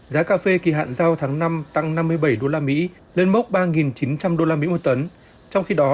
giá cà phê kỳ hạn giao tháng năm tăng năm mươi bảy usd lên mốc ba chín trăm linh usd một tấn trong khi đó